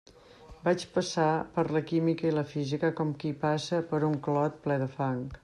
Vaig passar per la química i la física com qui passa per un clot ple de fang.